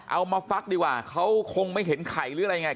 มาฟักดีกว่าเขาคงไม่เห็นไข่หรืออะไรยังไง